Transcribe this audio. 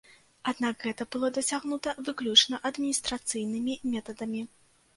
Аднак гэта было дасягнута выключна адміністрацыйнымі метадамі.